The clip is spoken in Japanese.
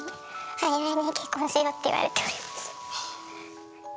「来年結婚しよう」って言われております。